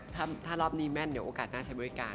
ถ้ารอบนี้แม่นเดี๋ยวโอกาสน่าใช้บริการ